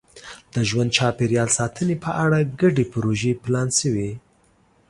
د ژوند چاپېریال ساتنې په اړه ګډې پروژې پلان شوي.